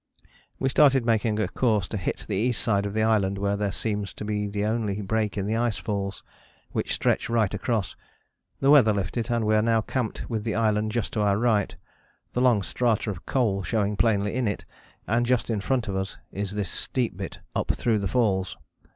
" "We started, making a course to hit the east side of the island where there seems to be the only break in the ice falls which stretch right across. The weather lifted, and we are now camped with the island just to our right, the long strata of coal showing plainly in it, and just in front of us is this steep bit up through the falls.